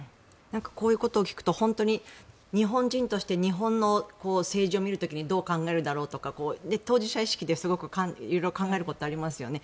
こういうことを聞くと本当に日本人として日本の政治を見る時にどう考えるんだろうとか当事者意識で色々考えることありますよね。